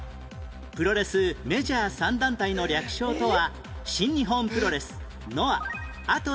プロレスメジャー３団体の略称とは新日本プロレスノア